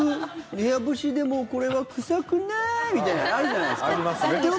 部屋干しでもこれは臭くなーいみたいなのあるじゃないですか。